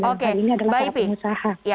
oke mbak ipi